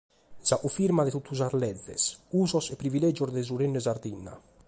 Sa cunfirma de totu sas leges, usos e priviègios de su Rennu de Sardigna.